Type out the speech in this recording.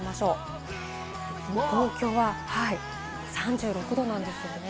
東京は３６度なんですよね。